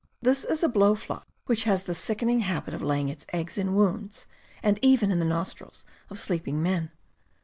This is a blow fly which has the sickening habit of laying its eggs in wounds, and even in the nostrils of sleeping men.